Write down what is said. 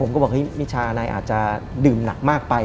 ก็บอกมิชานายอาจจะดื่มหนักมากไป